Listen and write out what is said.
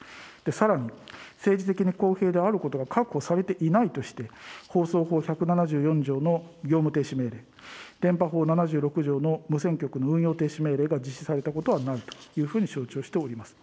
さらに、政治的に公平であることが確保されていないとして、放送法１７４条の業務停止命令、電波法７６条の無線局の運用停止命令が実施されたことはないというふうに承知をしております。